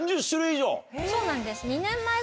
そうなんです。